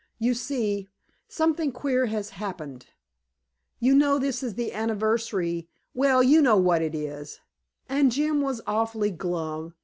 "You see, something queer has happened. You know this is the anniversary well, you know what it is and Jim was awfully glum.